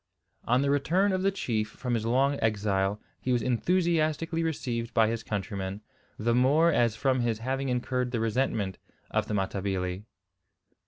On the return of the chief from his long exile he was enthusiastically received by his countrymen, the more as from his having incurred the resentment of the Matabili.